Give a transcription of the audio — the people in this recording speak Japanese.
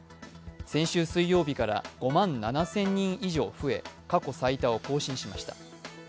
先週水曜日から５万７０００人以上増え過去最多を更新しました。